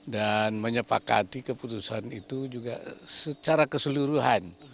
dan menyepakati keputusan itu juga secara keseluruhan